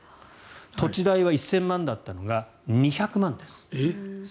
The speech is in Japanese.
土地代は１０００万だったのが２００万です。